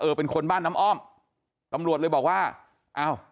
เป็นคนบ้านน้ำอ้อมตำรวจเลยบอกว่าอ้าว